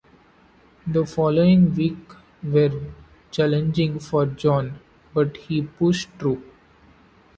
The following weeks were challenging for John, but he pushed through.